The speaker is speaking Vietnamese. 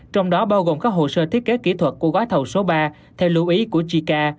trong đó bao gồm các hồ sơ thiết kế kỹ thuật của gói thầu số ba theo lưu ý của chica